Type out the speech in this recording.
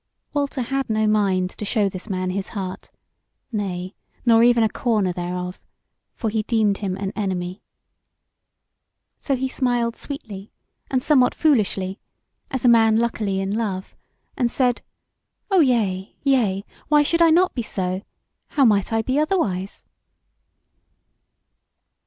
Walter had no mind to show this man his heart, nay, nor even a corner thereof; for he deemed him an enemy. So he smiled sweetly and somewhat foolishly, as a man luckily in love, and said: "O yea, yea, why should I not be so? How might I be otherwise?"